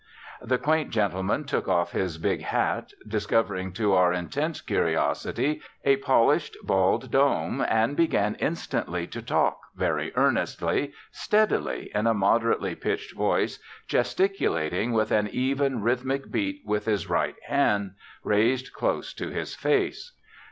The quaint gentleman took off his big hat, discovering to our intent curiosity a polished bald dome, and began instantly to talk, very earnestly, steadily, in a moderately pitched voice, gesticulating with an even rhythmic beat with his right hand, raised close to his face.